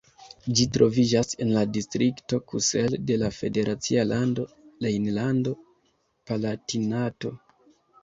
Ĝi troviĝas en la distrikto Kusel de la federacia lando Rejnlando-Palatinato.